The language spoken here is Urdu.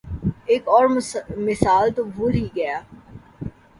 ایک اور مثال تو بھول ہی گیا۔